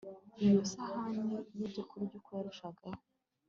iyo sahani yibyokurya Uko yarushagaho